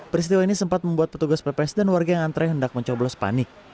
peristiwa ini sempat membuat petugas pps dan warga yang antre hendak mencoblos panik